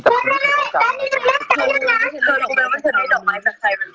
แม่นี่จะไม่ได้ยังนะ